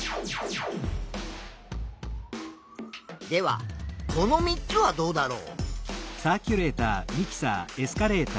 ではこの３つはどうだろう？